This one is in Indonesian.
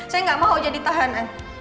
saya nggak mau jadi tahanan